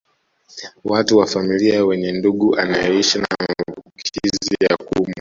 Watu wa familia wenye ndugu anayeishi na maambukizi ya kudumu